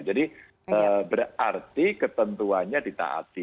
jadi berarti ketentuannya ditaati